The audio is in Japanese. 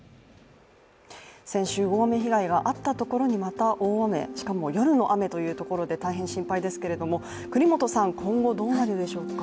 先週、大雨被害があったところにまた大雨、更に夜の大雨ということで大変心配ですけども、國本さん今後どうなるでしょうか。